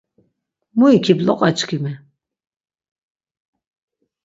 Mo ikip loqaçkimi.